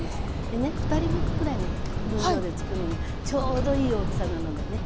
でね２人分くらいの分量でつくるにはちょうどいい大きさなのでね